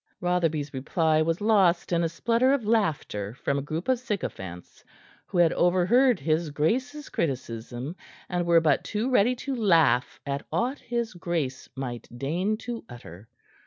Rotherby's reply was lost in a splutter of laughter from a group of sycophants who had overheard his grace's criticism and were but too ready to laugh at aught his grace might deign to utter.